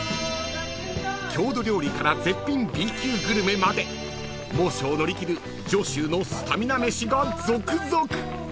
［郷土料理から絶品Ｂ級グルメまで猛暑を乗り切る上州のスタミナ飯が続々］